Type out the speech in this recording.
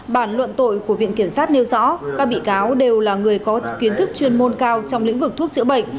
bản luận tội của viện kiểm sát nêu rõ các bị cáo đều là người có kiến thức chuyên môn cao trong lĩnh vực thuốc chữa bệnh